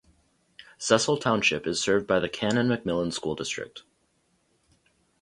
Cecil Township is served by the Canon-McMillan School District.